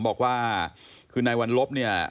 บอกว่าคือนายวัลลบเนี่ย